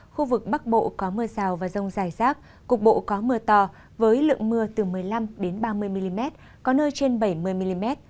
khu vực bắc bộ có mưa rào và rông dài rác cục bộ có mưa to với lượng mưa từ một mươi năm ba mươi mm có nơi trên bảy mươi mm